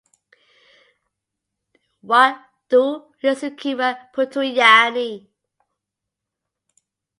w'andu w'isesikira putu yani.